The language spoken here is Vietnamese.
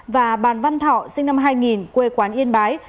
và bàn văn thọ sinh năm hai nghìn quê quán yên bái